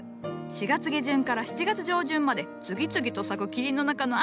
４月下旬から７月上旬まで次々と咲く霧の中の愛。